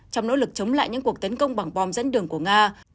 trong nỗ lực chống lại những cuộc tấn công bằng bom dẫn đường của nga